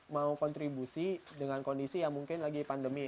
mau kontribusi dengan kondisi yang mungkin lagi pandemi